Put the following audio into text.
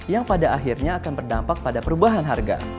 yang pada akhirnya akan berdampak pada perubahan harga